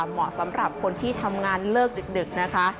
เหมาะสำหรับคนที่ทำงานเลิกดึกนะคะ